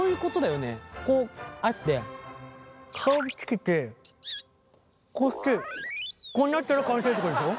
こうあって顔つけてこうしてこうなったら完成ってことでしょ？